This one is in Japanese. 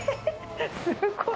すごい！